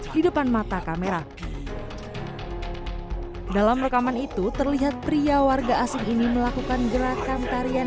di depan mata kamera dalam rekaman itu terlihat pria warga asing ini melakukan gerakan tarian